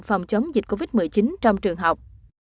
phòng chống dịch covid một mươi chín trong trường học